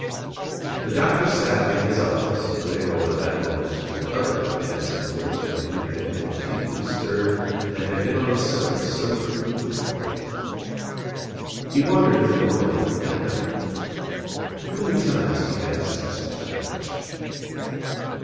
The Doctor sat in his office living over that moment and other Intense moments when he had been deeply stirred and had been on the surface so cool and quiet. He wondered if the woman had known. How many times he had asked himself that question.